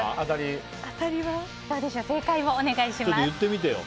正解をお願いします。